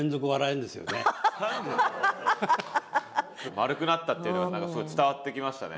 丸くなったっていうのが伝わってきましたね。